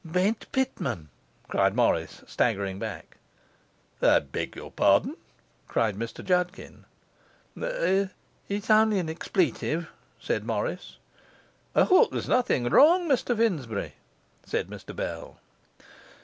'Bent Pitman!' cried Morris, staggering back. 'I beg your pardon,' said Mr Judkin. 'It's it's only an expletive,' said Morris. 'I hope there's nothing wrong, Mr Finsbury,' said Mr Bell.